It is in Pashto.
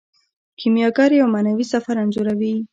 کیمیاګر یو معنوي سفر انځوروي.